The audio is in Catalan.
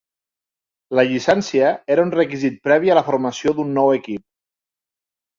La llicència era un requisit previ a la formació d'un nou equip.